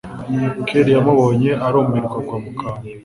kellia amubonye arumirwa agwa mukantu